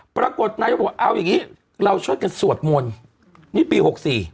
ปรากฏนายพูดเอาอย่างงี้เราเชิญสวดมนนี้ปีหกสี่